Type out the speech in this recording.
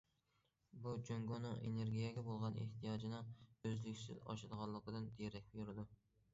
بۇ جۇڭگونىڭ ئېنېرگىيەگە بولغان ئېھتىياجىنىڭ ئۈزلۈكسىز ئاشىدىغانلىقىدىن دېرەك بېرىدۇ.